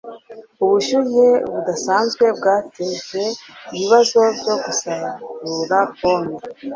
ubushyuhe budasanzwe bwateje ibibazo byo gusarura pome